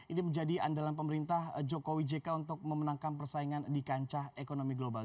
ini menjadi andalan pemerintah jokowi jk untuk memenangkan persaingan di kancah ekonomi global